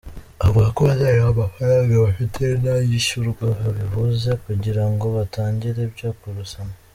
Avuga ko bazareba amafaranga bafite n’ayishyurwa babihuze kugira ngo batangire ibyo kurusana.